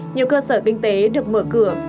nhiều cơ sở kinh tế được mở cửa